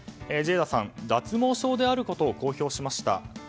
ジェイダさん脱毛症であることを公表しました。